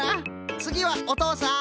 つぎはおとうさん。